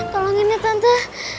tolongin ya tante